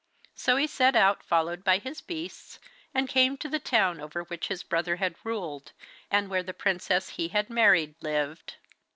So he set out, followed by his beasts, and came to the town over which his brother had ruled, and where the princess he had married lived.